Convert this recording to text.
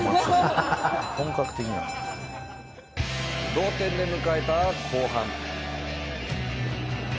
同点で迎えた後半。